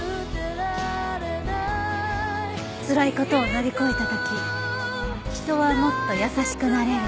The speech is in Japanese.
「辛いことを乗り越えた時人はもっと優しくなれる」。